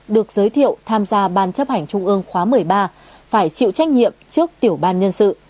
được giới thiệu tham gia ban chấp hành trung ương khóa một mươi ba phải chịu trách nhiệm trước tiểu ban nhân sự